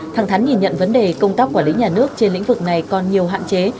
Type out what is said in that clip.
thẳng thắn nhìn nhận vấn đề công tác quản lý nhà nước trên lĩnh vực này còn nhiều hạn chế